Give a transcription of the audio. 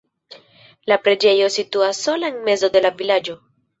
La preĝejo situas sola en mezo de la vilaĝo.